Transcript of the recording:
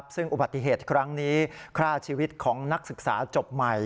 ซึ่งอุบัติเหตุครั้งนี้ฆ่าชีวิตของนักศึกษาจบใหม่